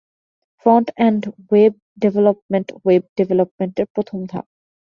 Front end web development web ডেভেলপমেন্টের প্রথম ধাপ।